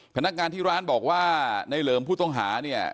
พนักงานที่ร้านบอกว่าในเหลิมผู้ต้องหาเนี่ย